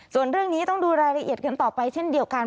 ส่วนเรื่องนี้ต้องดูรายละเอียดกันต่อไปเช่นเดียวกัน